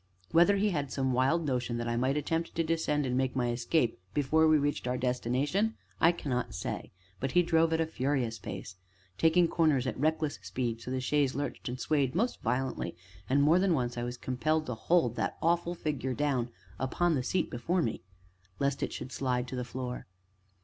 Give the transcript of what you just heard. Whether he had some wild notion that I might attempt to descend and make my escape before we reached our destination, I cannot say, but he drove at a furious pace, taking corners at reckless speed, so that the chaise lurched and swayed most violently, and, more than once, I was compelled to hold that awful figure down upon the seat before me, lest it should slide to the floor.